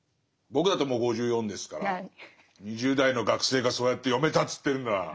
僕だってもう５４ですから２０代の学生がそうやって読めたっつってるんなら。